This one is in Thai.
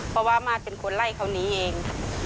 เพราะว่ามาสเป็นคนไล่เขาหนีเอง